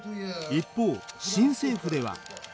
一方新政府では。